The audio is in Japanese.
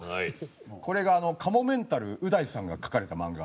これがかもめんたるう大さんが描かれた漫画。